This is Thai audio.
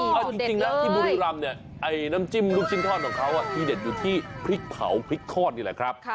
เอาจริงนะที่บุรีรำเนี่ยไอ้น้ำจิ้มลูกชิ้นทอดของเขาที่เด็ดอยู่ที่พริกเผาพริกทอดนี่แหละครับ